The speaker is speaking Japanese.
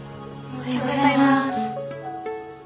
おはようございます。